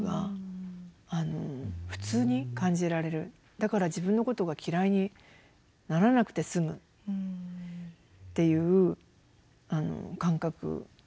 だから自分のことが嫌いにならなくて済むっていう感覚です。